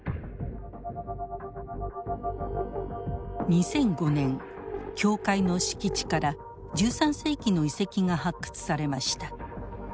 ２００５年教会の敷地から１３世紀の遺跡が発掘されました。